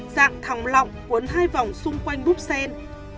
dạng thòng lọng cuốn hai vòng xung quanh búp sen